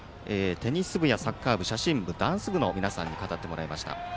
テニス部やサッカー部、写真部ダンス部の皆さんに語ってもらいました。